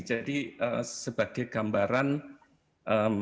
jadi sebagai gambaran studi di indonesia